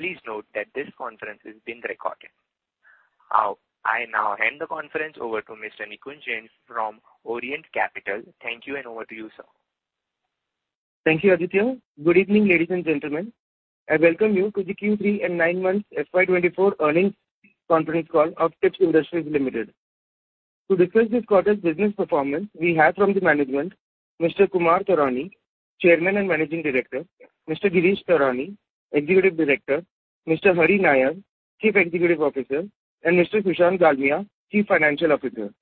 Please note that this conference is being recorded. I now hand the conference over to Mr. Nikunj Jain from Orient Capital. Thank you, and over to you, sir. Thank you, Aditya. Good evening, ladies and gentlemen. I welcome you to the Q3 and 9 months FY 2024 earnings conference call of Tips Industries Limited. To discuss this quarter's business performance, we have from the management Mr. Kumar Taurani, Chairman and Managing Director, Mr. Girish Taurani, Executive Director, Mr. Hari Nair, Chief Executive Officer, and Mr. Sushant Dalmia, Chief Financial Officer.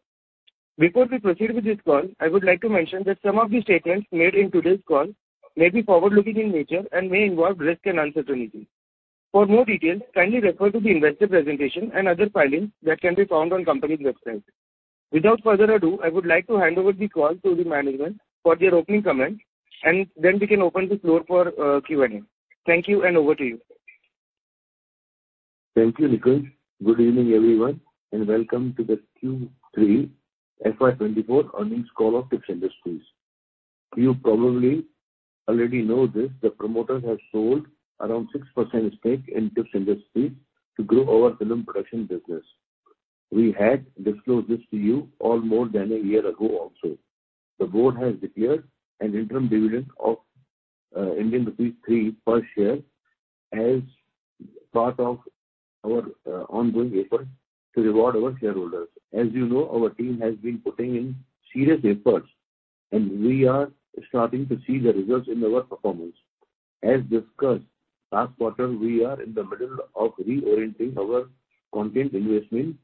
Before we proceed with this call, I would like to mention that some of the statements made in today's call may be forward-looking in nature and may involve risk and uncertainty. For more details, kindly refer to the investor presentation and other filings that can be found on company's website. Without further ado, I would like to hand over the call to the management for their opening comments, and then we can open the floor for Q&A. Thank you, and over to you. Thank you, Nikunj. Good evening, everyone, and welcome to the Q3 FY2024 earnings call of Tips Industries. You probably already know this, the promoters have sold around 6% stake in Tips Industries to grow our film production business. We had disclosed this to you all more than a year ago also. The board has declared an interim dividend of Indian rupees 3 per share as part of our ongoing effort to reward our shareholders. As you know, our team has been putting in serious efforts, and we are starting to see the results in our performance. As discussed last quarter, we are in the middle of reorienting our content investment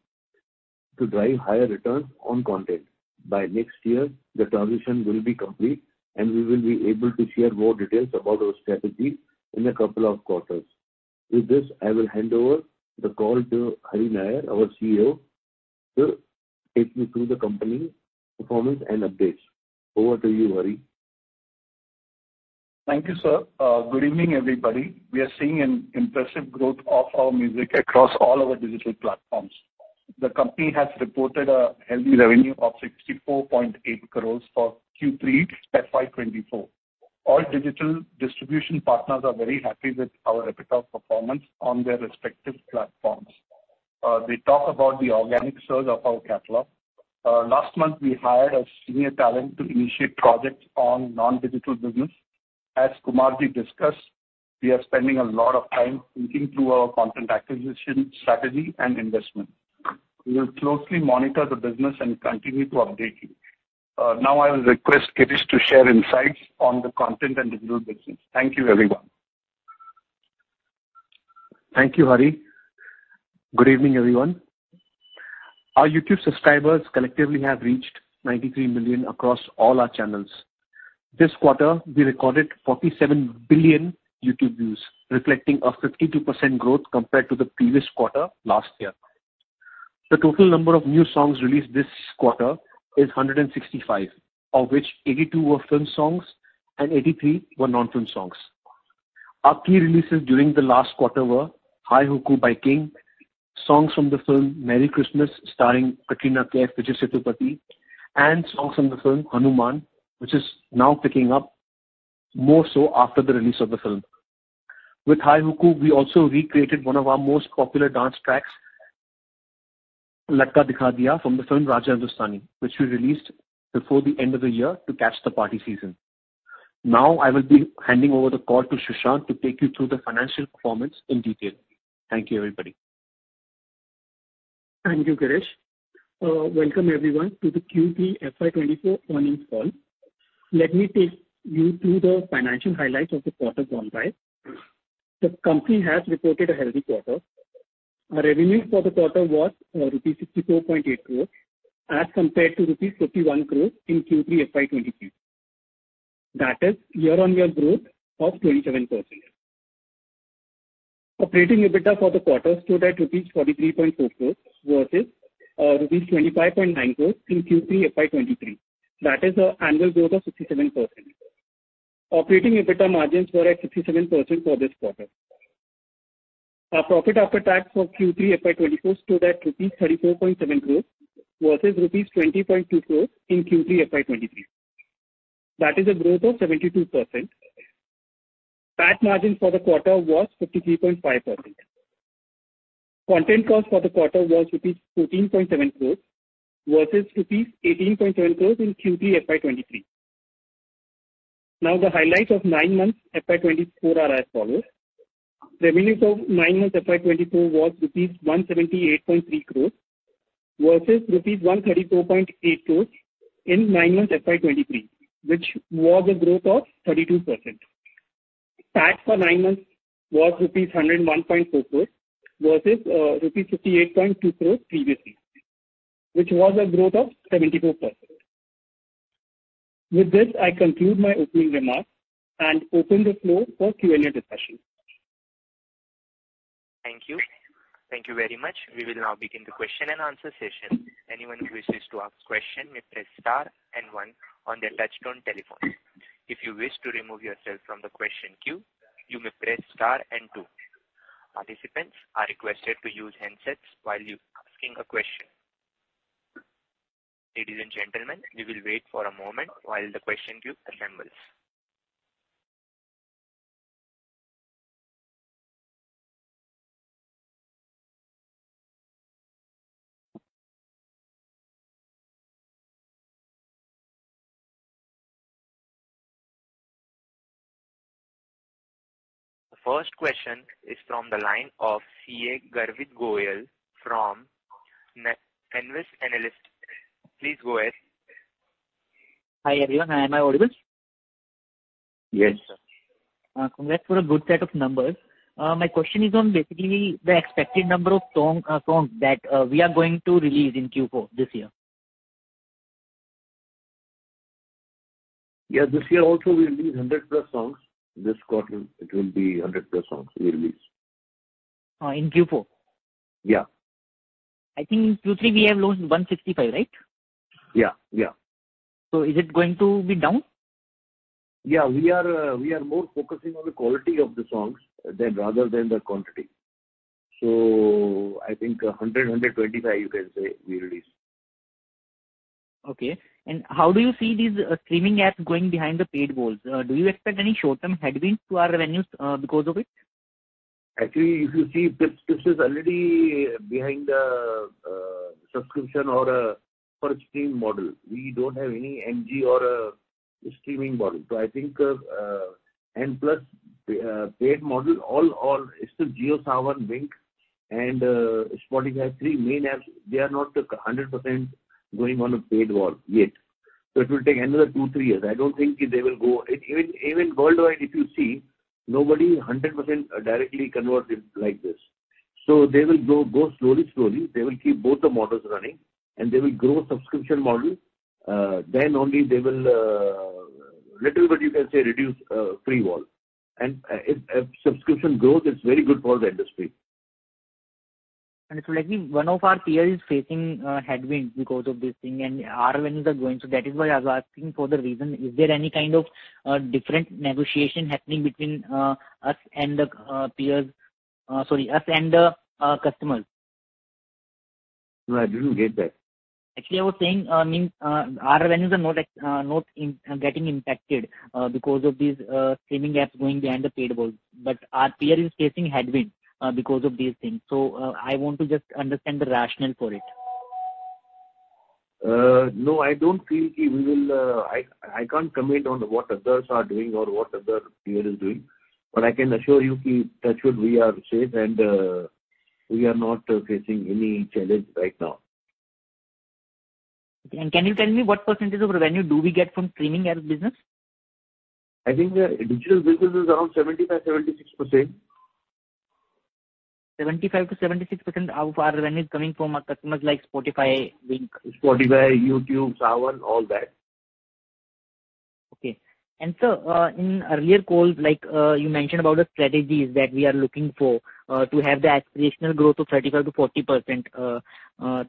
to drive higher returns on content. By next year, the transition will be complete, and we will be able to share more details about our strategy in a couple of quarters. With this, I will hand over the call to Hari Nair, our CEO, to take you through the company performance and updates. Over to you, Hari. Thank you, sir. Good evening, everybody. We are seeing an impressive growth of our music across all our digital platforms. The company has reported a healthy revenue of 64.8 crores for Q3 FY 2024. All digital distribution partners are very happy with our repertoire performance on their respective platforms. They talk about the organic surge of our catalog. Last month, we hired a senior talent to initiate projects on non-digital business. As Kumar discussed, we are spending a lot of time thinking through our content acquisition, strategy, and investment. We will closely monitor the business and continue to update you. Now I will request Girish to share insights on the content and digital business. Thank you, everyone. Thank you, Hari. Good evening, everyone. Our YouTube subscribers collectively have reached 93 million across all our channels. This quarter, we recorded 47 billion YouTube views, reflecting a 52% growth compared to the previous quarter last year. The total number of new songs released this quarter is 165, of which 82 were film songs and 83 were non-film songs. Our key releases during the last quarter were High Hukku by King, songs from the film Merry Christmas, starring Katrina Kaif, Vijay Sethupathi, and songs from the film Hanuman, which is now picking up more so after the release of the film. With High Hukku, we also recreated one of our most popular dance tracks, Latka Dikha Diya, from the film Raja Hindustani, which we released before the end of the year to catch the party season. Now, I will be handing over the call to Sushant to take you through the financial performance in detail. Thank you, everybody. Thank you, Girish. Welcome, everyone, to the Q3 FY 2024 earnings call. Let me take you through the financial highlights of the quarter gone by. The company has reported a healthy quarter. Our revenue for the quarter was rupees 64.8 crores, as compared to rupees 51 crores in Q3 FY 2023. That is year-on-year growth of 27%. Operating EBITDA for the quarter stood at rupees 43.4 crores versus rupees 25.9 crores in Q3 FY 2023. That is an annual growth of 57%. Operating EBITDA margins were at 57% for this quarter. Our profit after tax for Q3 FY 2024 stood at rupees 34.7 crores, versus rupees 20.2 crores in Q3 FY 2023. That is a growth of 72%. PAT margin for the quarter was 53.5%. Content cost for the quarter was rupees 14.7 crores versus rupees 18.7 crores in Q3 FY 2023. Now, the highlights of nine months FY 2024 are as follows: Revenue for nine months FY 2024 was rupees 178.3 crores versus rupees 134.8 crores in nine months FY 2023, which was a growth of 32%. Tax for nine months was rupees 101.4 crores versus rupees 58.2 crores previously, which was a growth of 74%. With this, I conclude my opening remarks and open the floor for Q&A discussion. Thank you. Thank you very much. We will now begin the question and answer session. Anyone who wishes to ask question may press star and one on their touchtone telephone. If you wish to remove yourself from the question queue, you may press star and two. Participants are requested to use handsets while you asking a question. Ladies and gentlemen, we will wait for a moment while the question queue assembles. The first question is from the line of CA Garvit Goyal from Nvest Analytics. Please go ahead. Hi, everyone. Hi, am I audible? Yes, sir. Congrats for a good set of numbers. My question is on basically the expected number of songs that we are going to release in Q4 this year? Yeah, this year also we'll release 100+ songs. This quarter, it will be 100+ songs we release. In Q4? Yeah. I think in Q3 we have launched 165, right? Yeah. Yeah. Is it going to be down? Yeah, we are more focusing on the quality of the songs rather than the quantity. So I think 100-125, you can say, we release. Okay. How do you see these streaming apps going behind the paid walls? Do you expect any short-term headwinds to our revenues because of it? Actually, if you see, this, this is already behind the subscription or per stream model. We don't have any MG or streaming model. So I think, and plus, paid model, all, all, it's the JioSaavn, Wynk, and Spotify, three main apps, they are not 100% going on a paid wall yet. So it will take another 2-3 years. I don't think they will go... Even, even worldwide, if you see, nobody 100% directly converts it like this. So they will go, go slowly, slowly. They will keep both the models running, and they will grow subscription model, then only they will, little, but you can say, reduce, free wall. And if, if subscription grows, it's very good for the industry. And so like, I mean, one of our peers is facing headwinds because of this thing, and our revenues are growing. So that is why I was asking for the reason. Is there any kind of different negotiation happening between us and the peers, sorry, us and the customers? No, I didn't get that. Actually, I was saying, our revenues are not getting impacted because of these streaming apps going behind the paywall. But our peer is facing headwinds because of these things. So, I want to just understand the rationale for it. No, I don't feel that we will. I can't comment on what others are doing or what other peer is doing, but I can assure you that should we are safe and we are not facing any challenge right now. Can you tell me what percentage of revenue do we get from streaming as business? I think the digital business is around 75%-76%. 75%-76% of our revenue is coming from our customers like Spotify, Wynk? Spotify, YouTube, JioSaavn, all that. Okay. And, sir, in earlier calls, like, you mentioned about the strategies that we are looking for, to have the aspirational growth of 35%-40%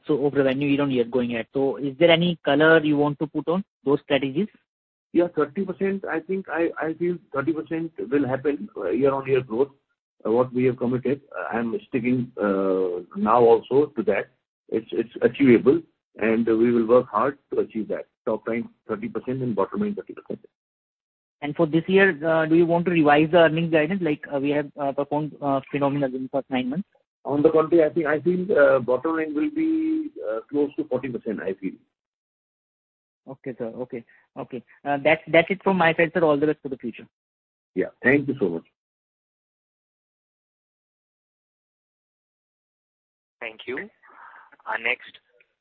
so of revenue year-on-year going ahead. So is there any color you want to put on those strategies? Yeah, 30%, I think I feel 30% will happen year-on-year growth. What we have committed, I'm sticking, now also to that. It's achievable, and we will work hard to achieve that. Top line, 30%, and bottom line, 30%. For this year, do you want to revise the earnings guidance like we have performed phenomenal in the first nine months? On the contrary, I think, I feel, bottom line will be close to 40%, I feel. Okay, sir. Okay. Okay. That's, that's it from my side, sir. All the best for the future. Yeah. Thank you so much. Thank you. Our next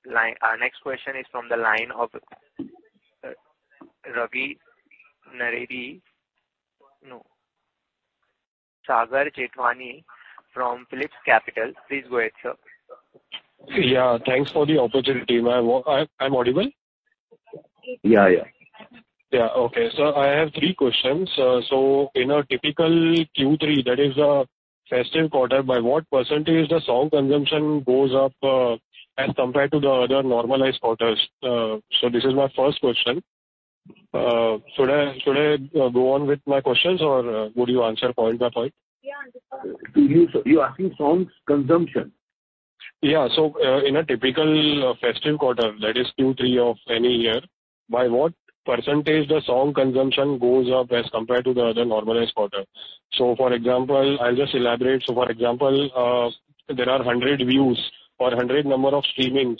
line— Our next question is from the line of Ravi Naredi. No. Sagar Jethwani from PhillipCapital. Please go ahead, sir. Yeah, thanks for the opportunity. I'm audible? Yeah, yeah. Yeah. Okay, so I have three questions. So in a typical Q3, that is a festive quarter, by what percentage the song consumption goes up, as compared to the other normalized quarters? So this is my first question. Should I, should I go on with my questions or would you answer point by point? You asking songs consumption? Yeah. So, in a typical festive quarter, that is Q3 of any year, by what percentage the song consumption goes up as compared to the other normalized quarter? So for example, I'll just elaborate. So for example, there are 100 views or 100 number of streamings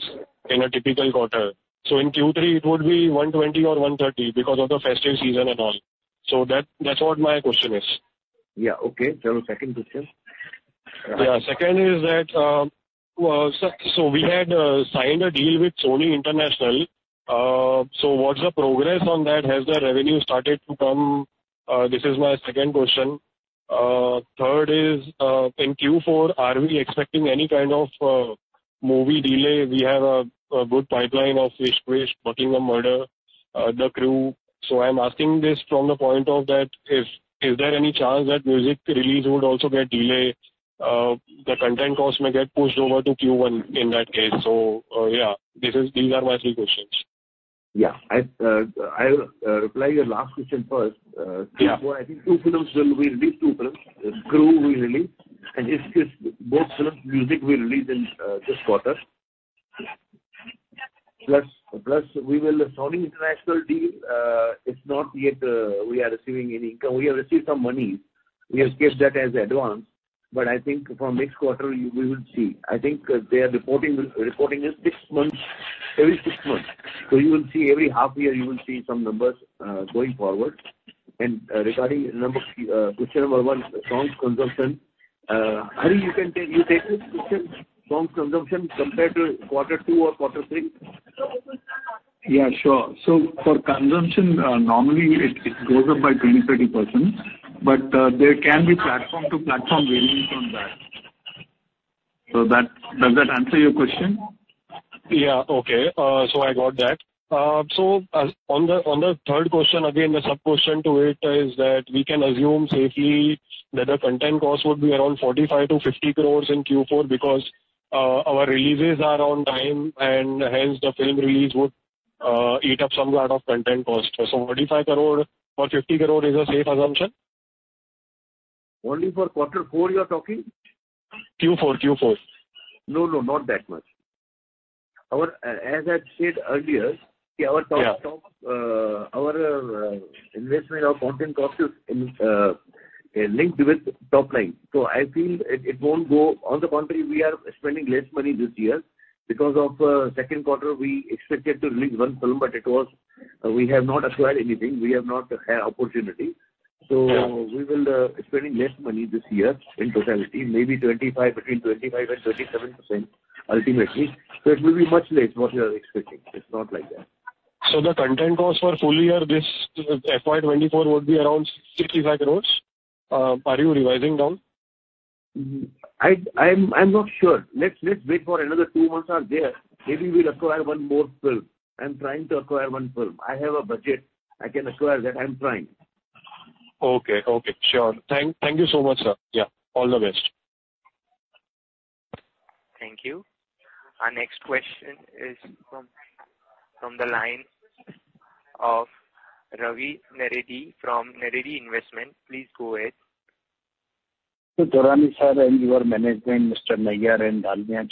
in a typical quarter. So in Q3, it would be 120 or 130 because of the festive season and all. So that, that's what my question is. Yeah, okay. So second question. Yeah. Second is that, so we had signed a deal with Sony International. So what's the progress on that? Has the revenue started to come? This is my second question. Third is, in Q4, are we expecting any kind of movie delay? We have a good pipeline of Ishq Vishk, Buckingham Murder, The Crew. So I'm asking this from the point of that, if is there any chance that music release would also get delayed? The content costs may get pushed over to Q1 in that case. So, yeah, this is... These are my three questions. Yeah, I, I'll reply your last question first. Yeah. I think two films will be released, two films. Crew will release, and if, if both films music will release in this quarter. Plus, plus we will, Sony International deal, it's not yet we are receiving any income. We have received some money. We have kept that as advance, but I think from next quarter you, we will see. I think they are reporting, reporting in six months, every six months. So you will see every half year, you will see some numbers going forward. And, regarding number, question number one, songs consumption, Hari, you can take, you take this question, songs consumption compared to quarter two or quarter three? Yeah, sure. So for consumption, normally it goes up by 20%-30%, but there can be platform to platform variance on that. So that. Does that answer your question? Yeah. Okay. So I got that. So, on the third question, again, the sub-question to it is that we can assume safely that the content cost would be around 45 crore-50 crore in Q4, because our releases are on time, and hence, the film release would eat up some lot of content cost. So 45 crore or 50 crore is a safe assumption? Only for quarter four, you are talking? Q4, Q4. No, no, not that much. Our, as I said earlier, our top- Yeah Our investment, our content cost is linked with top line. So I feel it won't go. On the contrary, we are spending less money this year. Because of second quarter, we expected to release one film, but it was... We have not acquired anything. We have not had opportunity. Yeah. We will spending less money this year in totality, maybe 25, between 25 and 27%, ultimately. It will be much less what you are expecting. It's not like that. So the content cost for full year, this FY 2024, would be around INR 65 crore? Are you revising down? I'm not sure. Let's wait for another two months are there. Maybe we'll acquire one more film. I'm trying to acquire one film. I have a budget. I can acquire that. I'm trying. Okay, okay, sure. Thank, thank you so much, sir. Yeah, all the best. Thank you. Our next question is from the line of Ravi Naredi, from Naredi Investment. Please go ahead. Taurani, sir, and your management, Mr. Nair and Dalmia,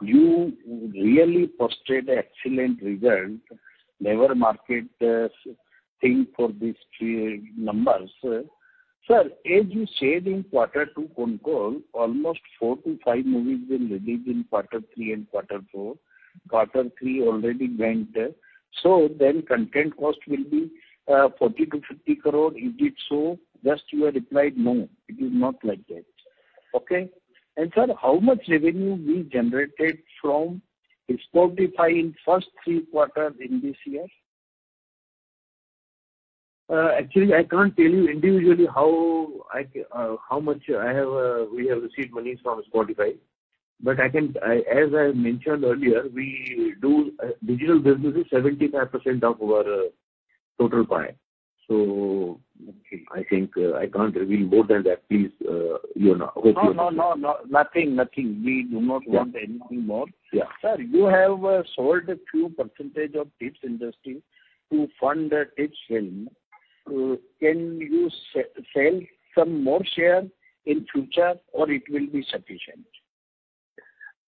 you really posted excellent results. Never market, thing for these three numbers. Sir, as you said in quarter two phone call, almost 4-5 movies will release in quarter three and quarter four. Quarter three already went. So then content cost will be, 40-50 crore. Is it so? Just you have replied, "No, it is not like that." Okay. And, sir, how much revenue we generated from Spotify in first 3 quarters in this year? Actually, I can't tell you individually how I, how much I have, we have received money from Spotify. But I can, I... As I mentioned earlier, we do, digital business is 75% of our total pie. So I think I can't reveal more than that. Please, you know. No, no, no, no. Nothing, nothing. We do not want anything more. Yeah. Sir, you have sold a few percentage of Tips Industries to fund the Tips Films. Can you sell some more share in future, or it will be sufficient?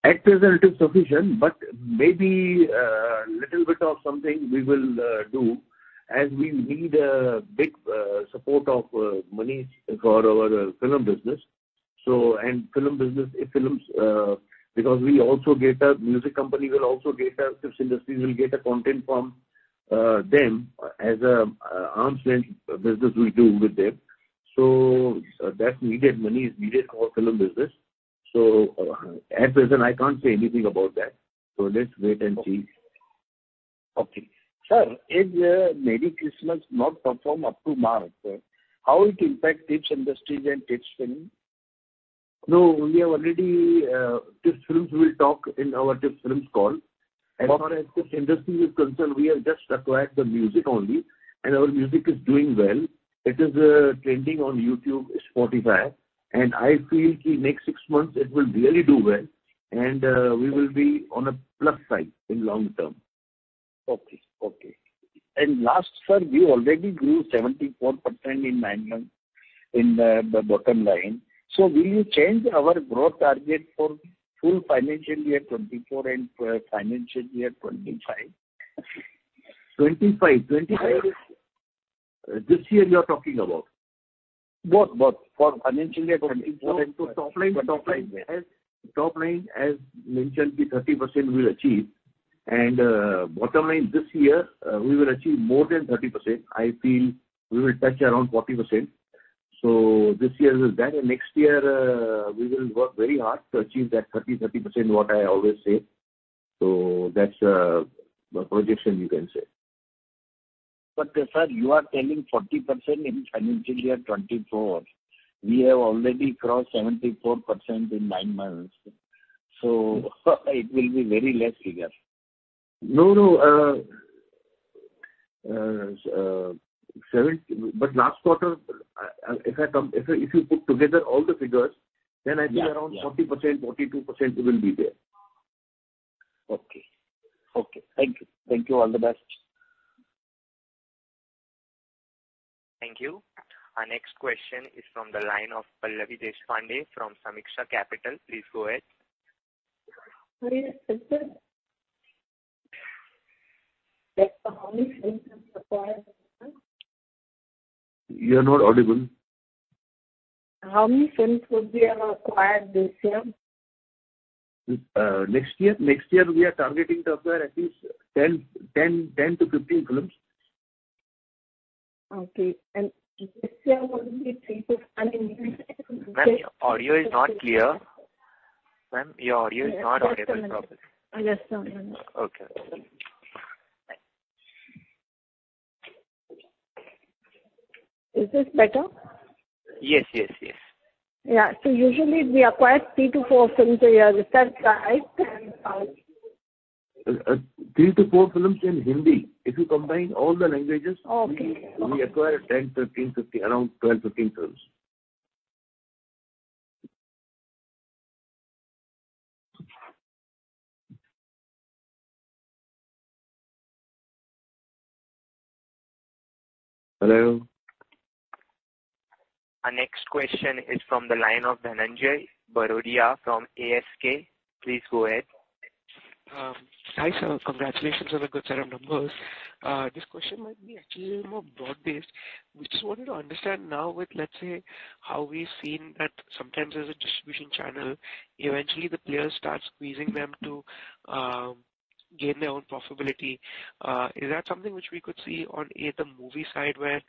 At present, it is sufficient, but maybe little bit of something we will do, as we need a big support of money for our film business. So, and film business, if films, because we also get a music company will also get a, Tips Industries will get a content from them as a arm's-length business we do with them. So that needed money is needed for film business. So at present, I can't say anything about that. So let's wait and see. Okay. Sir, if Merry Christmas not perform up to mark, how it impact Tips Industries and Tips Films? No, we have already, Tips Films will talk in our Tips Films call. Okay. As far as Tips Industries is concerned, we have just acquired the music only, and our music is doing well. It is trending on YouTube, Spotify, and I feel the next six months, it will really do well, and we will be on a plus side in long term. Okay, okay. And last, sir, you already grew 74% in nine months in the bottom line. So will you change our growth target for full financial year 2024 and financial year 2025? 25, 25? This year, you are talking about. Both, both. For financial year 2024 and 2025. Top line, top line. Top line, as mentioned, the 30% we will achieve. And, bottom line, this year, we will achieve more than 30%. I feel we will touch around 40%. So this year is done, and next year, we will work very hard to achieve that 30-30%, what I always say. So that's the projection you can say. But, sir, you are telling 40% in financial year 2024. We have already crossed 74% in 9 months, so it will be very less figure. No, no, [seven], but last quarter, if I come, if you put together all the figures, then I think around 40%, 42% will be there. Okay. Okay, thank you. Thank you. All the best. Thank you. Our next question is from the line of Pallavi Deshpande from Sameeksha Capital. Please go ahead. Hi, sir. How many films have acquired? You're not audible. How many films would we have acquired this year? Next year? Next year, we are targeting to acquire at least 10 to 15 films. Okay, and this year only three to Ma'am, your audio is not clear. Ma'am, your audio is not audible properly. Yes, sir. Okay. Is this better? Yes, yes, yes. Yeah. Usually we acquire 3-4 films a year. Is that right? 3-4 films in Hindi. If you combine all the languages- Oh, okay. We acquire 10, 13, 15, around 12, 15 films. Hello? Our next question is from the line of Dhananjai Bagrodia from ASK. Please go ahead. Hi, sir. Congratulations on the good set of numbers. This question might be actually more broad-based. We just wanted to understand now with, let's say, how we've seen that sometimes there's a distribution channel, eventually the players start squeezing them to gain their own profitability. Is that something which we could see on, A, the movie side, where,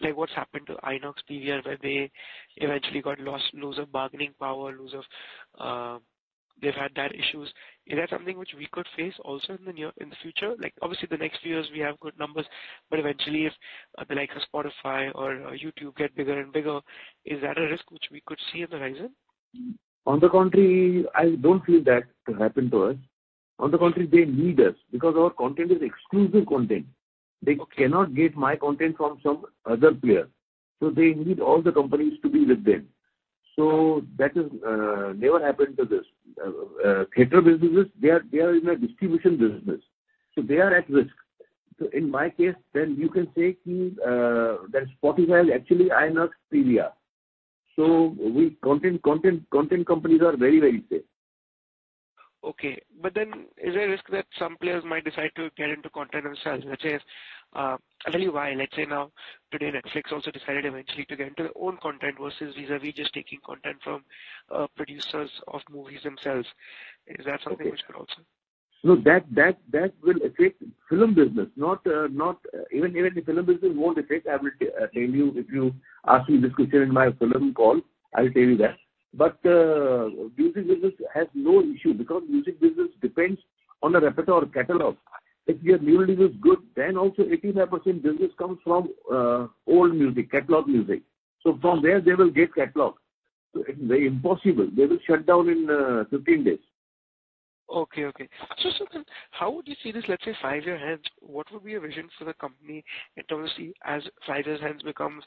like what's happened to INOX PVR, where they eventually got loss of bargaining power, loss of... They've had that issues. Is that something which we could face also in the near future? Like, obviously, the next few years we have good numbers, but eventually if, like, a Spotify or a YouTube get bigger and bigger, is that a risk which we could see on the horizon? On the contrary, I don't feel that could happen to us. On the contrary, they need us, because our content is exclusive content. They cannot get my content from some other player, so they need all the companies to be with them. So that is never happened to this. Theater businesses, they are in a distribution business, so they are at risk. So in my case, then you can say to that Spotify is actually INOX PVR. So we content, content, content companies are very, very safe. Okay. But then is there a risk that some players might decide to get into content themselves? Which is, I'll tell you why. Let's say now, today, Netflix also decided eventually to get into their own content versus vis-a-vis just taking content from, producers of movies themselves. Is that something which could also- No, that will affect film business, not. Even the film business won't affect. I will tell you, if you ask me this question in my film call, I will tell you that. But, music business has no issue because music business depends on the repertoire catalog. If your new release is good, then also 85% business comes from old music, catalog music. So from where they will get catalog? Very impossible. They will shut down in 15 days. Okay, okay. So, so then, how would you see this, let's say, five years ahead? What would be your vision for the company in terms of, say, as five years ahead becomes,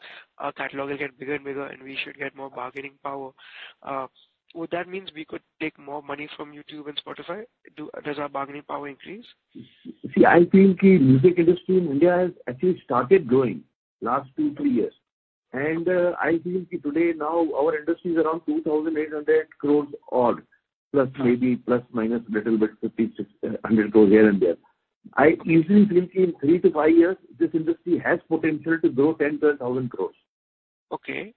catalog will get bigger and bigger, and we should get more bargaining power? Would that means we could take more money from YouTube and Spotify? Does our bargaining power increase? See, I think music industry in India has actually started growing last 2-3 years. I think today now our industry is around 2,800 crore odd, plus or minus a little bit 50-600 crore here and there. I instantly think in 3-5 years, this industry has potential to grow 10,000-12,000 crore. Okay.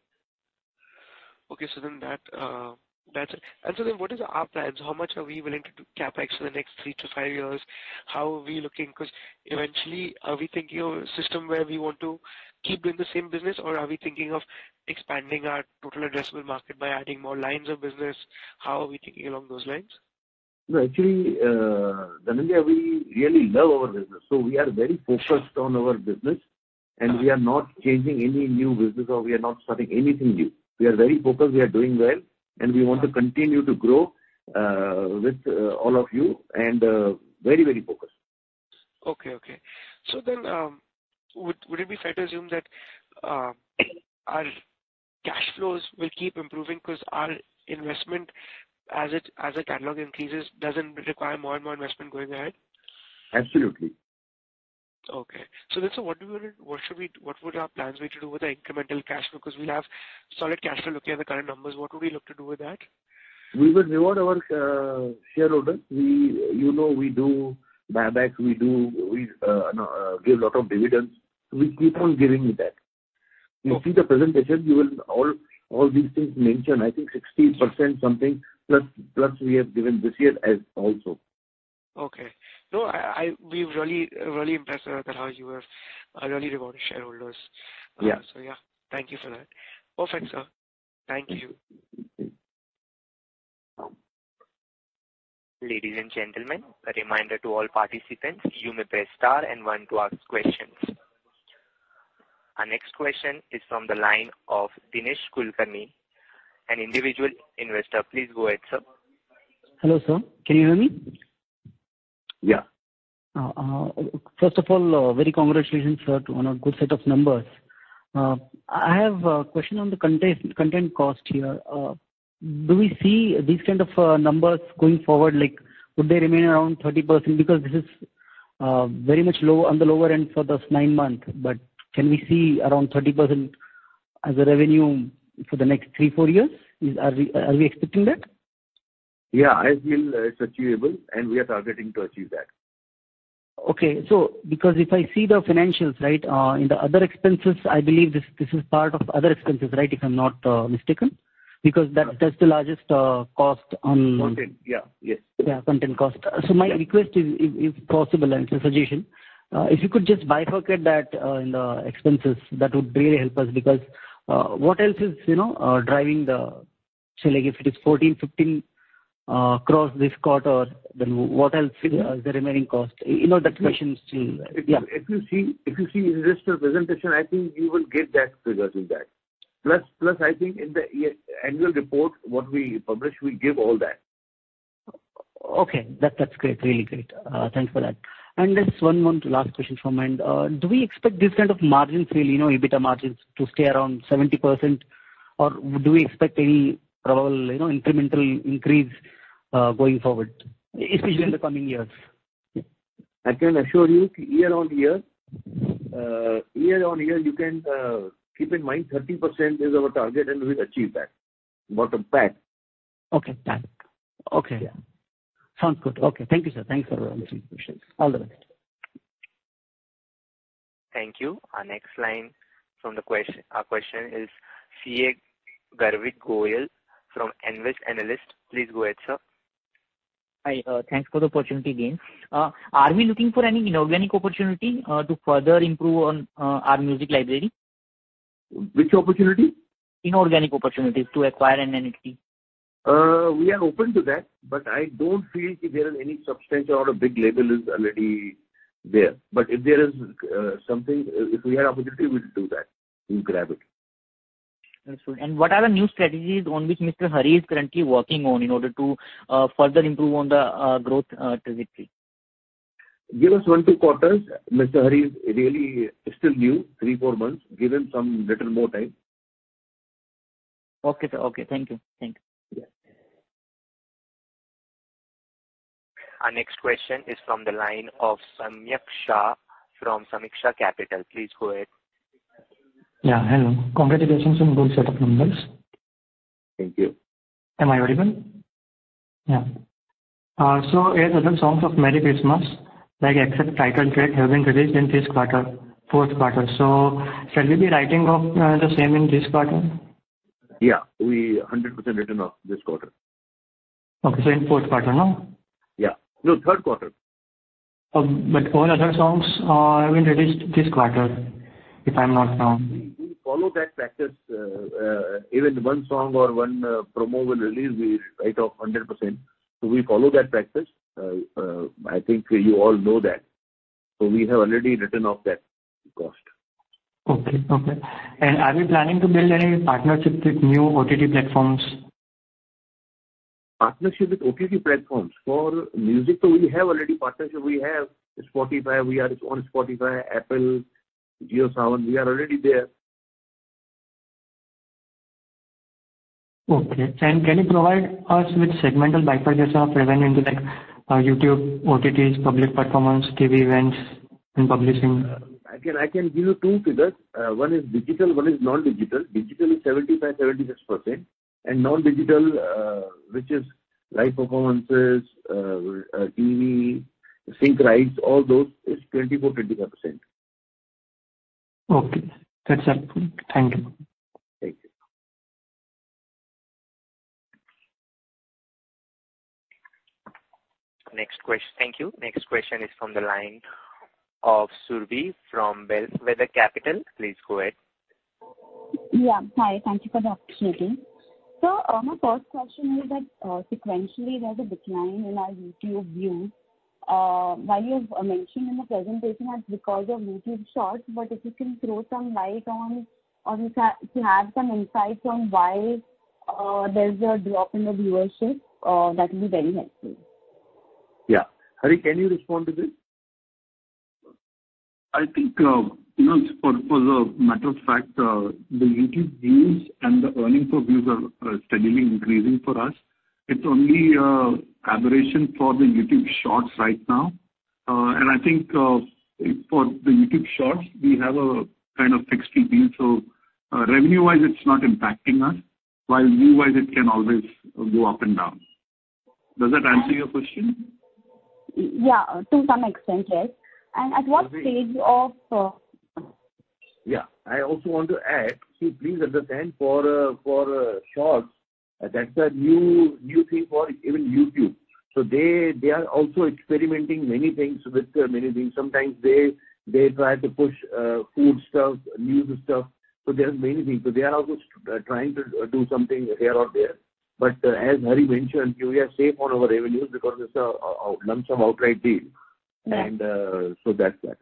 Okay, so then that, that's it. And so then, what is our plans? How much are we willing to do CapEx for the next three to five years? How are we looking? Because eventually, are we thinking of a system where we want to keep doing the same business, or are we thinking of expanding our total addressable market by adding more lines of business? How are we thinking along those lines? No, actually, Dhananjai, we really love our business, so we are very focused on our business, and we are not changing any new business, or we are not starting anything new. We are very focused, we are doing well, and we want to continue to grow with all of you, and very, very focused. Okay, okay. So then, would it be fair to assume that our cash flows will keep improving because our investment, as the catalog increases, doesn't require more and more investment going ahead? Absolutely. Okay. So then, sir, what do you want to—what should we—what would our plans be to do with the incremental cash flow? Because we have solid cash flow. Looking at the current numbers, what would we look to do with that? We will reward our shareholders. We, you know, we do buyback, we do give a lot of dividends. We keep on giving you that. You see the presentation, you will... All these things mentioned, I think 60% something, plus, plus we have given this year as also. Okay. No, we're really, really impressed with how you have really rewarded shareholders. Yeah. So, yeah, thank you for that. Perfect, sir. Thank you. Ladies and gentlemen, a reminder to all participants, you may press star and one to ask questions. Our next question is from the line of Dinesh Kulkarni, an individual investor. Please go ahead, sir. Hello, sir. Can you hear me? Yeah. First of all, very congratulations, sir, to on a good set of numbers. I have a question on the content cost here. Do we see these kind of numbers going forward? Like, would they remain around 30%? Because this is very much low, on the lower end for those nine months, but can we see around 30% as a revenue for the next 3-4 years? Are we expecting that? Yeah, I feel it's achievable, and we are targeting to achieve that. Okay. So because if I see the financials, right, in the other expenses, I believe this, this is part of other expenses, right? If I'm not mistaken. Because that, that's the largest cost on- Content, yeah. Yes. Yeah, Content Cost. So my request is, if possible, and it's a suggestion, if you could just bifurcate that in the expenses, that would really help us, because what else is, you know, driving the... Say, like if it is 14-15 across this quarter, then what else is the remaining cost? You know, that question is still, yeah. If you see, if you see investor presentation, I think you will get that figures in that. Plus, I think in the annual report, what we publish, we give all that. Okay, that's great. Really great. Thanks for that. And just one more last question from me. Do we expect this kind of margins really, you know, EBITDA margins, to stay around 70%, or do we expect any probable, you know, incremental increase going forward, especially in the coming years? I can assure you year-on-year, year-on-year, you can keep in mind 30% is our target, and we will achieve that. Buyback. Okay, back. Okay. Yeah. Sounds good. Okay. Thank you, sir. Thanks for answering questions. All the best. Thank you. Our next question is CA Garvit Goyal from Nvest Analytics. Please go ahead, sir. Hi, thanks for the opportunity again. Are we looking for any inorganic opportunity to further improve on our music library? Which opportunity? Inorganic opportunities to acquire an entity. We are open to that, but I don't feel there is any substantial or a big label is already there. But if there is something, if we have opportunity, we'll do that. We'll grab it. That's good. And what are the new strategies on which Mr. Hari is currently working on in order to further improve on the growth trajectory? Give us 1-2 quarters. Mr. Hari is really still new, 3-4 months. Give him some little more time. Okay, sir. Okay, thank you. Thank you. Yeah. Our next question is from the line of Samyak Shah from Sameeksha Capital. Please go ahead. Yeah, hello. Congratulations on good set of numbers. Thank you. Am I audible? Yeah. So eight other songs of Merry Christmas, like except title track, have been released in this quarter, fourth quarter. So shall we be writing off the same in this quarter? Yeah, we 100% written off this quarter. Okay, so in fourth quarter, no? Yeah. No, third quarter. But all other songs have been released this quarter, if I'm not wrong. We follow that practice. Even one song or one promo we release, we write off 100%. So we follow that practice. I think you all know that. So we have already written off that cost. Okay. Okay. And are we planning to build any partnership with new OTT platforms? Partnership with OTT platforms? For music, so we have already partnership. We have Spotify, we are on Spotify, Apple, JioSaavn, we are already there. Okay. Can you provide us with segmental breakdown as are present into, like, YouTube, OTTs, public performance, TV events, and publishing? I can, I can give you two figures. One is digital, one is non-digital. Digital is 75-76%, and non-digital, which is live performances, TV, sync rights, all those, is 24-25%. Okay. That's helpful. Thank you. Thank you. Next question. Thank you. Next question is from the line of Surbhi from Bellwether Capital. Please go ahead. Yeah. Hi, thank you for the opportunity. So, my first question is that, sequentially, there's a decline in our YouTube views. While you have mentioned in the presentation that because of YouTube Shorts, but if you can throw some light on, on the fact, to have some insight on why, there's a drop in the viewership, that will be very helpful. Yeah. Hari, can you respond to this? I think, you know, for the matter of fact, the YouTube views and the earnings per view are steadily increasing for us. It's only calibration for the YouTube Shorts right now. And I think, for the YouTube Shorts, we have a kind of fixed deal, so revenue-wise, it's not impacting us, while view-wise, it can always go up and down. Does that answer your question? Yeah, to some extent, yes. Surbhi- At what stage of? Yeah, I also want to add, so please understand, for, for, Shorts, that's a new, new thing for even YouTube. So they, they are also experimenting many things with many things. Sometimes they, they try to push, food stuff, news stuff, so there's many things. So they are also trying to do something here or there. But as Hari Nair mentioned, we are safe on our revenues because it's a, a, lump sum outright deal. Right. So that's that.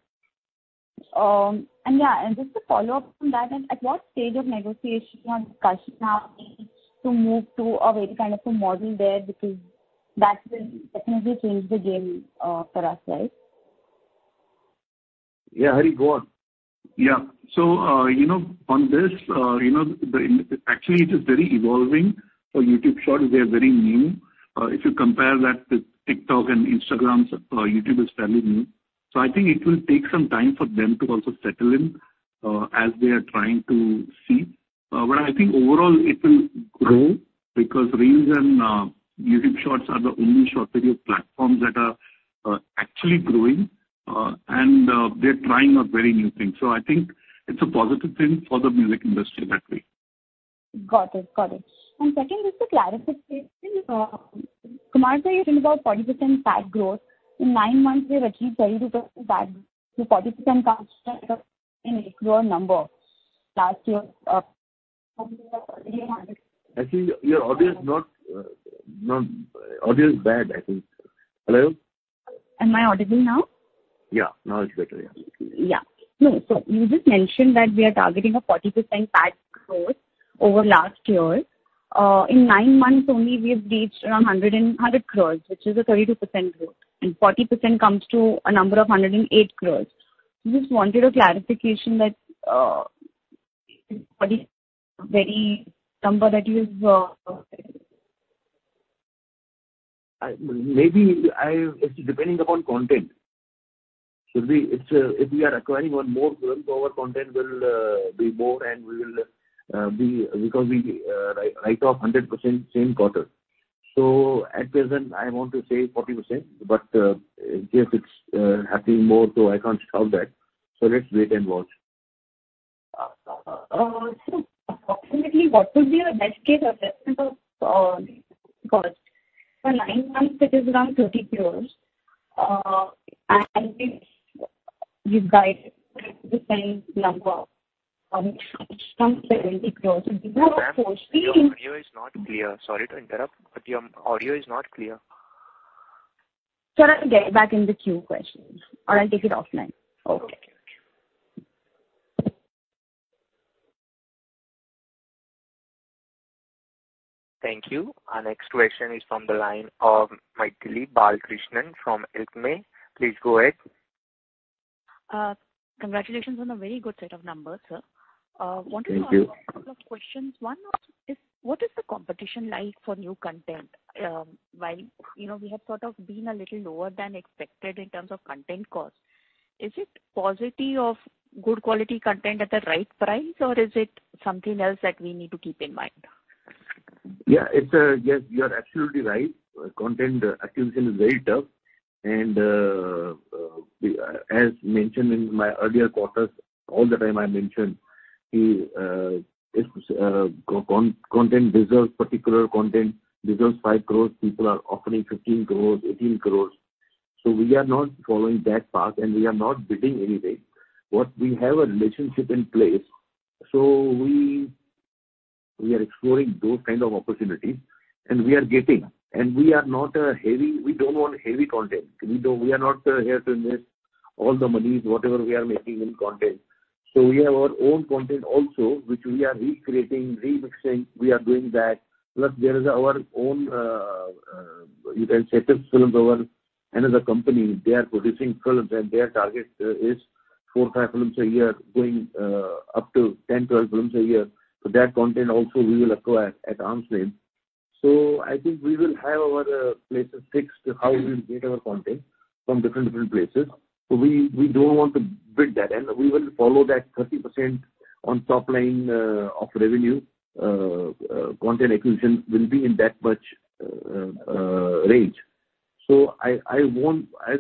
And yeah, and just to follow up on that, and at what stage of negotiation or discussion are we to move to a very kind of a model there, because that will definitely change the game, for us, right? Yeah, Hari, go on. Yeah. So, you know, on this, you know, actually, it is very evolving. So YouTube Shorts, they are very new. If you compare that with TikTok and Instagram, YouTube is fairly new. So I think it will take some time for them to also settle in, as they are trying to see. But I think overall it will grow because Reels and YouTube Shorts are the only short video platforms that are actually growing, and they're trying out very new things. So I think it's a positive thing for the music industry that way. Got it. Got it. And second, just to clarify, Kumar, you said about 40% PAT growth. In nine months, we have achieved 30% PAT. So 40% comes to an INR 8 crore number last year. Actually, your audio is not. Audio is bad, I think. Hello? Am I audible now? Yeah, now it's better. Yeah. Yeah. No, so you just mentioned that we are targeting a 40% PAT growth over last year. In nine months only, we have reached around 110 crore, which is a 32% growth, and 40% comes to a number of 108 crore. Just wanted a clarification that very number that you was. Maybe I... It's depending upon content. If we are acquiring one more film, so our content will be more and we will be because we write off 100% same quarter. So at present, I want to say 40%, but if it's happening more, so I can't tell that. So let's wait and watch. So approximately, what would be the best case assessment of cost? For nine months it is around 30 crore, and you've guided the same number of 70 crore. Ma'am, your audio is not clear. Sorry to interrupt, but your audio is not clear. I'll get back in the queue question or I'll take it offline. Okay. Thank you. Our next question is from the line of Mythili Balakrishnan from Alchemy Capital Management. Please go ahead. Congratulations on a very good set of numbers, sir. Thank you. Wanted to ask a couple of questions. One is, what is the competition like for new content? While, you know, we have sort of been a little lower than expected in terms of content cost. Is it quality of good quality content at the right price, or is it something else that we need to keep in mind? Yeah, it's. Yes, you are absolutely right. Content acquisition is very tough. And, as mentioned in my earlier quarters, all the time, I mentioned, content deserves, particular content deserves 5 crores. People are offering 15 crores, 18 crores. So we are not following that path, and we are not bidding anyway. What we have a relationship in place, so we, we are exploring those kind of opportunities, and we are getting. And we are not a heavy, we don't want heavy content. We don't-- We are not here to invest all the monies, whatever we are making in content. So we have our own content also, which we are recreating, remixing, we are doing that. Plus, there is our own, you can say, films, our another company, they are producing films, and their target is 4-5 films a year, going up to 10-12 films a year. So that content also we will acquire at arm's length. So I think we will have our places fixed, how we will get our content from different, different places. So we, we don't want to build that, and we will follow that 30% on top line of revenue, content acquisition will be in that much range. So I, I won't, I,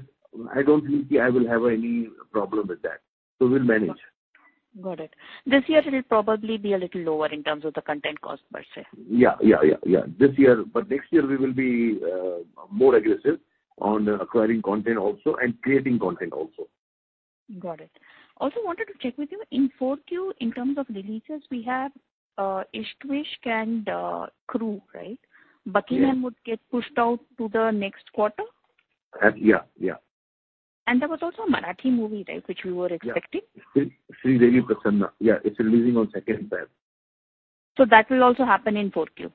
I don't think I will have any problem with that. So we'll manage. Got it. This year it will probably be a little lower in terms of the Content Cost per se. Yeah, yeah, yeah, yeah. This year, but next year we will be more aggressive on acquiring content also and creating content also. Got it. Also wanted to check with you, in fourth Q, in terms of releases, we have, Ishq Vishk Rebound and, Crew, right? Yes. Buckingham would get pushed out to the next quarter? Yeah, yeah. There was also a Marathi movie, right, which we were expecting? Yeah. Sridevi Prasanna. Yeah, it's releasing on second, yeah. That will also happen in fourth Q?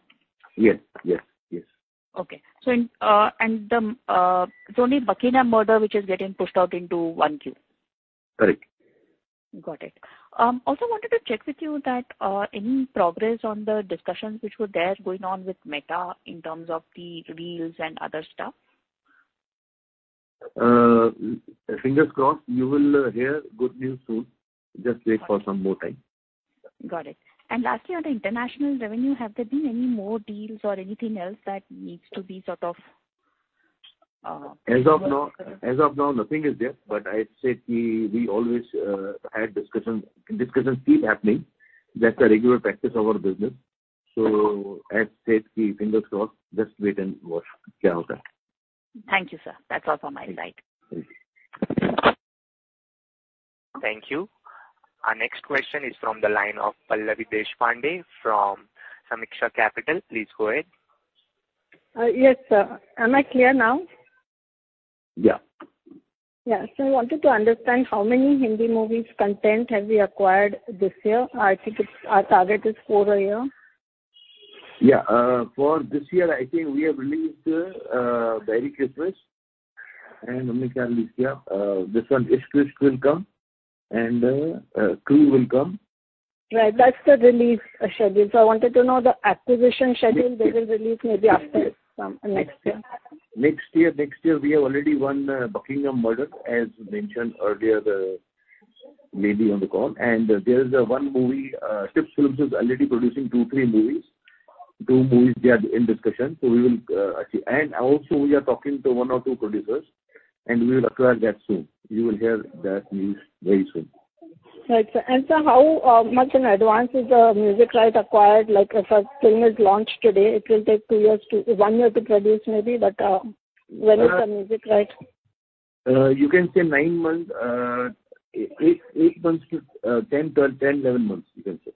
Yes, yes, yes. Okay. So, it's only Buckingham Murder, which is getting pushed out into one Q. Correct. Got it. Also wanted to check with you that any progress on the discussions which were there going on with Meta in terms of the Reels and other stuff? Fingers crossed, you will hear good news soon. Just wait for some more time. Got it. Lastly, on the international revenue, have there been any more deals or anything else that needs to be sort of- As of now, as of now, nothing is there, but I said we always had discussions. Discussions keep happening. That's a regular practice of our business. So I'd say fingers crossed. Just wait and watch. Thank you, sir. That's all from my side. Thank you. ...Thank you. Our next question is from the line of Pallavi Deshpande from Sameeksha Capital. Please go ahead. Yes, sir. Am I clear now? Yeah. Yeah. So I wanted to understand, how many Hindi movies content have we acquired this year? I think it's, our target is four a year. Yeah, for this year, I think we have released Merry Christmas, and this one, Ishq will come, and Crew will come. Right. That's the release schedule. I wanted to know the acquisition schedule. They will release maybe after some, next year. Next year, next year, we already have one, Buckingham Murder, as mentioned earlier, maybe on the call. There is one movie. Tips Films is already producing 2-3 movies. 2Movies, they are in discussion, so we will see. Also, we are talking to 1 or 2 producers, and we will acquire that soon. You will hear that news very soon. Right, sir. And sir, how much in advance is the music right acquired? Like, if a film is launched today, it will take two years to one year to produce maybe, but when is the music right? You can say 9 months, 8, 8 months to 10, 12, 10, 11 months, you can say.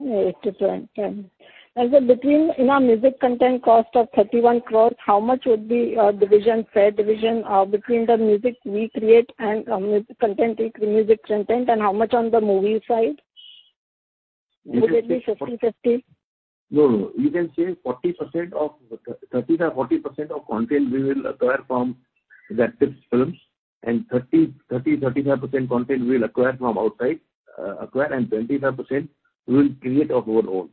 8 to 10, 10. Sir, in our music content cost of 31 crore, how much would be division, fair division between the music we create and music content and how much on the movie side? Would it be 50/50? No, no. You can say 40% of the—30%-40% of content we will acquire from that Tips Films, and 30, 30, 35% content we will acquire from outside, acquire, and 25% we will create of our own.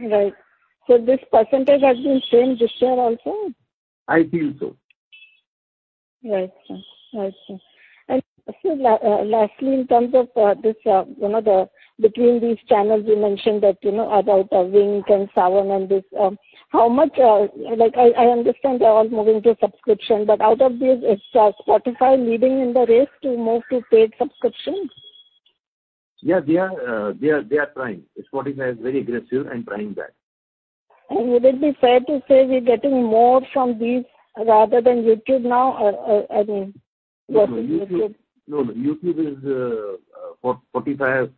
Right. So this percentage has been same this year also? I feel so. Right, sir. Right, sir. And sir, lastly, in terms of, this, you know, the between these channels, you mentioned that, you know, about, Wynk and JioSaavn and this, how much, Like, I, I understand they're all moving to subscription, but out of these, is Spotify leading in the race to move to paid subscriptions? Yeah, they are trying. Spotify is very aggressive in trying that. Would it be fair to say we're getting more from these rather than YouTube now? I mean, No, no, YouTube is 45%-50%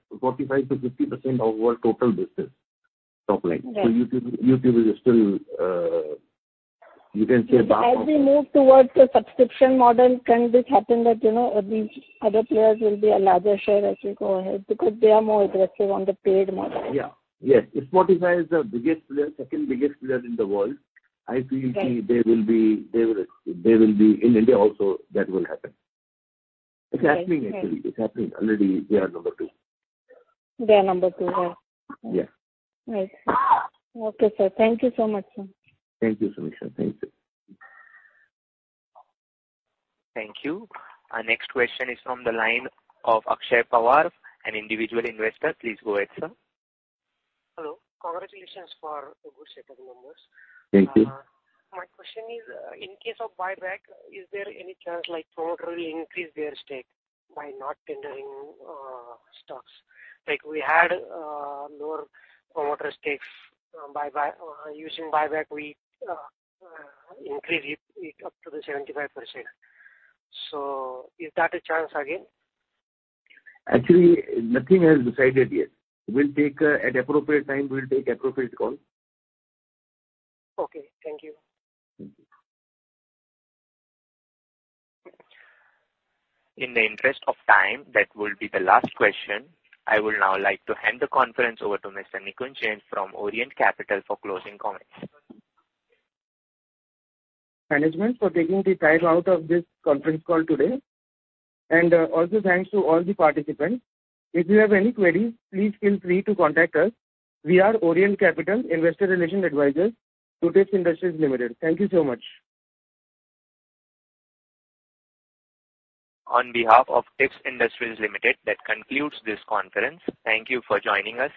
of our total business, top line. Right. So YouTube, YouTube is still, you can say- As we move towards the subscription model, can this happen that, you know, these other players will be a larger share as we go ahead? Because they are more aggressive on the paid model. Yeah. Yes, Spotify is the biggest player, second biggest player in the world. Right. I feel they will be in India also, that will happen. It's happening actually. Right. It's happening. Already, they are number two. They are number 2, right. Yeah. Right. Okay, sir. Thank you so much, sir. Thank you, Sameeksha. Thank you. Thank you. Our next question is from the line of Akshay Pawar, an individual investor. Please go ahead, sir. Hello. Congratulations for the good set of numbers. Thank you. My question is, in case of buyback, is there any chance, like, promoter will increase their stake by not tendering stocks? Like, we had lower promoter stakes buyback. Using buyback, we increase it up to 75%. So is that a chance again? Actually, nothing has decided yet. We'll take, at appropriate time, we'll take appropriate call. Okay. Thank you. Thank you. In the interest of time, that will be the last question. I would now like to hand the conference over to Mr. Nikunj Jain from Orient Capital for closing comments. ...management for taking the time out of this conference call today. And, also, thanks to all the participants. If you have any queries, please feel free to contact us. We are Orient Capital, investor relations advisors to Tips Industries Limited. Thank you so much. On behalf of Tips Industries Limited, that concludes this conference. Thank you for joining us.